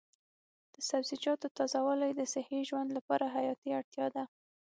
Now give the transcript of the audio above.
د سبزیجاتو تازه والي د صحي ژوند لپاره حیاتي اړتیا ده.